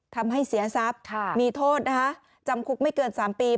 ทำให้เสียทรัพย์มีโทษนะคะจำคุกไม่เกิน๓ปี